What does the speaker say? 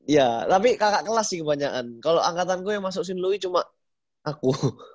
iya tapi kakak kelas sih kebanyakan kalau angkatan gue yang masuk sinlui cuma aku